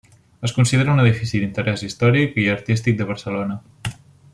Es considera un edifici d'interès històric i artístic de Barcelona.